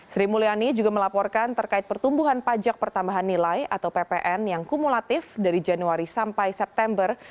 sri mulyani juga melaporkan terkait pertumbuhan pajak pertambahan nilai atau ppn yang kumulatif dari januari sampai september